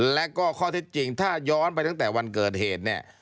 และก็ข้อเท็จจริงถ้าย้อนไปตั้งแต่วันเกิดเหตุเนี่ย